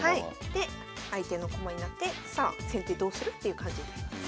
で相手の駒になってさあ先手どうする？っていう感じになります。